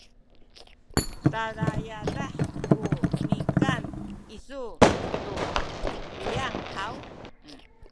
tada yadah ku nikan isu tu piyang haw?